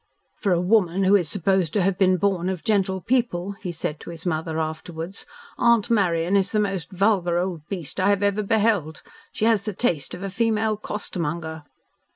"For a woman who is supposed to have been born of gentle people," he said to his mother afterwards, "Aunt Marian is the most vulgar old beast I have ever beheld. She has the taste of a female costermonger."